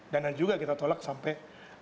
dan juga kita tolak sampai